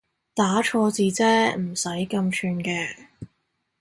打錯字啫唔使咁串嘅